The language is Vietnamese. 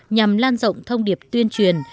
nhằm lan rộng thông điệp tuyên truyền